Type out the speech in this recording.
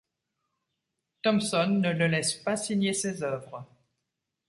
Thompson, ne le laisse pas signer ses œuvres.